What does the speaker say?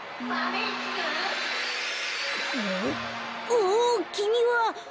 おおきみは！